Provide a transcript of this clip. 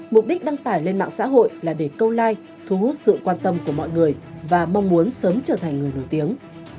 mục đích đăng tải lên mạng xã hội là để câu like thu hút sự quan tâm của mọi người và mong muốn sớm trở thành người nổi tiếng